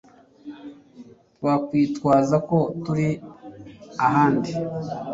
twakwitwaza ko turi ahandi